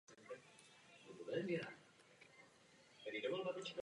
Nyní je zřejmé, že pouze opatření vyspělých zemí nebudou stačit.